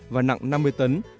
và nặng năm mươi tấn